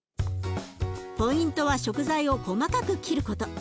ポイントは食材を細かく切ること。